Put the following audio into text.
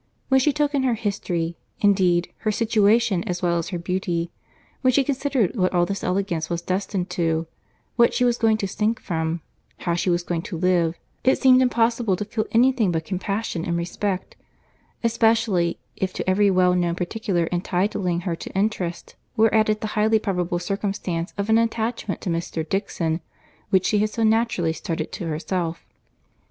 When she took in her history, indeed, her situation, as well as her beauty; when she considered what all this elegance was destined to, what she was going to sink from, how she was going to live, it seemed impossible to feel any thing but compassion and respect; especially, if to every well known particular entitling her to interest, were added the highly probable circumstance of an attachment to Mr. Dixon, which she had so naturally started to herself.